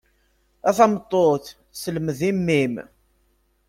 A tameṭṭut selmed i mmi-m!